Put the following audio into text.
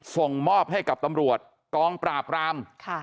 ส่งมอบให้กับตำรวจกองปราบราม